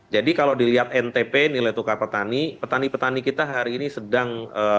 jadi kalau dilihat ntp nilai tukar petani petani petani kita hari ini sedang